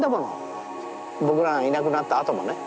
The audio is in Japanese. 僕らがいなくなったあともね。